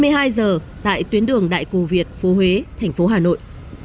hai mươi hai h tại tuyến đường đại cù việt phố huế tp hà nội